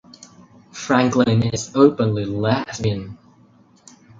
Franklin is openly lesbian.